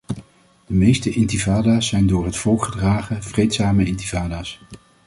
De meeste intifada's zijn door het volk gedragen, vreedzame intifada's.